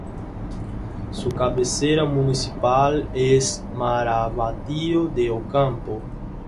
Su cabecera municipal es Maravatío de Ocampo.